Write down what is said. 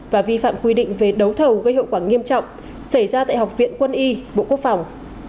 và vi phạm quy định về đấu thầu gây hậu quả nghiêm trọng xảy ra tại học viện quân y bộ quốc phòng